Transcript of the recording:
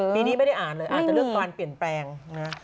ปีนี้ไม่ได้อ่านเลยอาจจะเรื่องการเปลี่ยนแปลงนะ